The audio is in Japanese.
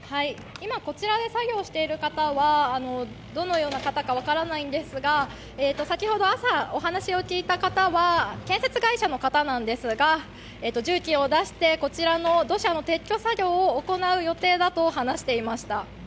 今、こちらで作業している方はどのような方か分からないんですが、先ほど朝、お話を聞いた方は建設会社の方なんですが、重機を出して、こちらの土砂の撤去作業を行う予定だと話していました。